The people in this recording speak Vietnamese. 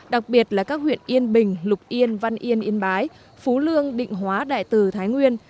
đặc biệt là các huyện yên bình lục yên văn yên yên bái phú lương định hóa đại từ thái nguyên